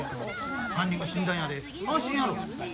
犯人が死んだんやで安心やろ。